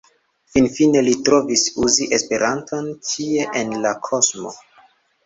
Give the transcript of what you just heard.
Finfine li trovis: uzi Esperanton ĉie en la kosmo.